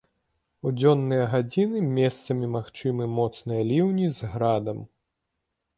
У дзённыя гадзіны месцамі магчымыя моцныя ліўні з градам.